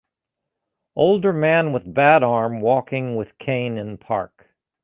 Older man with bad arm walking with cane in park.